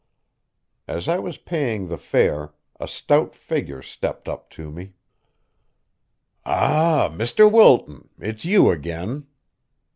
As I was paying the fare, a stout figure stepped up to me. "Ah, Mr. Wilton, it's you again."